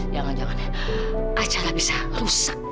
jangan jangan ya acara bisa rusak